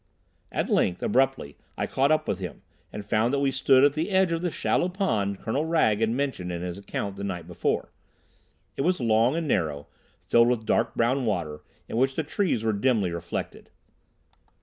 At length, abruptly, I caught up with him, and found that we stood at the edge of the shallow pond Colonel Wragge had mentioned in his account the night before. It was long and narrow, filled with dark brown water, in which the trees were dimly reflected.